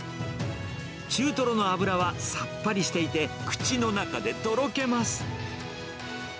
中トロの脂はさっぱりしていて、口の中でとろけます。